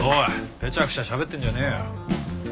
ぺちゃくちゃしゃべってんじゃねえよ。